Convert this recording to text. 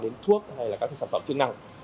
đến thuốc hay là các cái sản phẩm chức năng